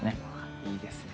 いいですね。